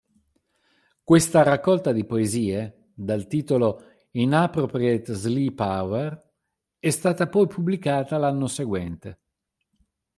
Questa raccolta di poesie, dal titolo "Inappropriate Sleepover", è stata poi pubblicata l'anno seguente.